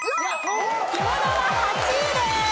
着物は８位です。